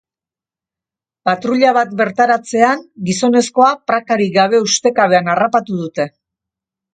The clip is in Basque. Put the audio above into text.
Patruila bat bertaratzean, gizonezkoa prakarik gabe ustekabean harrapatu dute.